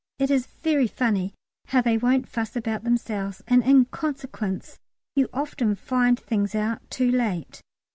It is very funny how they won't fuss about themselves, and in consequence you often find things out too late.